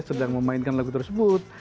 sedang memainkan lagu tersebut